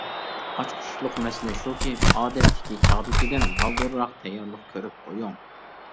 ئاچقۇچلۇق مەسىلە شۇكى، ئادەتتىكى چاغدىكىدىن بالدۇرراق تەييارلىق كۆرۈپ قويۇڭ.